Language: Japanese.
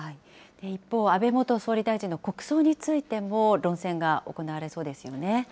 一方、安倍元総理大臣の国葬についても論戦が行われそうです